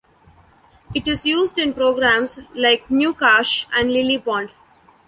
It is used in programs like GnuCash and LilyPond.